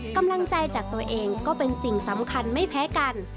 กำลังใจจากตัวเองก็เป็นสิ่งสำคัญไม่แพ้กัน